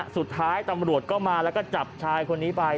สุดท้ายตำรวจก็มาแล้วก็จับชายคนนี้ไป